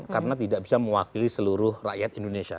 karena tidak bisa mewakili seluruh rakyat indonesia